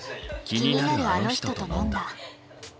気になるあの人と飲んだ。